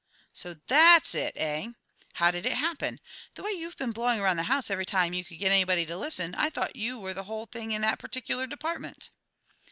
"So that's it, eh? How did it happen? The way you've been blowing around the house every time you could get anybody to listen, I thought you were the whole thing in that particular department."